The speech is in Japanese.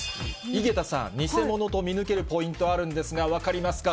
井桁さん、偽物と見抜けるポイント、あるんですが、分かりますか？